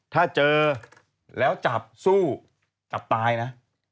ถ้าเจอแล้วจับสู้จับตายนะ